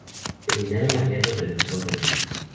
Terminada la guerra regresó a Brasil.